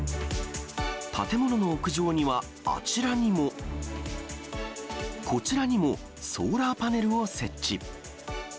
建物の屋上にはあちらにも、こちらにもソーラーパネルを設置。